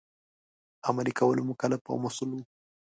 عملي کولو مکلف او مسوول وو.